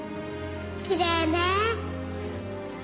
きれいね。